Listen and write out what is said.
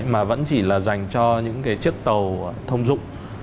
mà vẫn chỉ là dành cho những cái chiếc tàu thông dụng